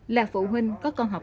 là phụ huynh có con học